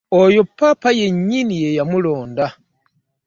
Oyo ppaapa yennyini ye yamulonda.